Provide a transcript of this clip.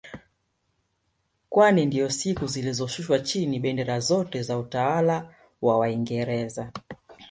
Kwani ndiyo siku zilishushwa chini bendera zote za utawala wa waingereza